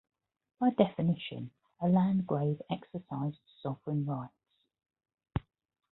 By definition, a landgrave exercised sovereign rights.